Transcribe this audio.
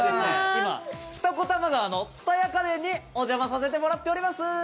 今、二子玉川の蔦屋家電にお邪魔させてもらっております！